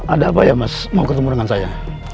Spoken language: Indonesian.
ada apa ya mas mau ketemu dengan saya